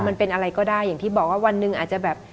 มันเป็นอะไรก็ได้อย่างที่บอกว่าวันหนึ่งอาจจะแบบ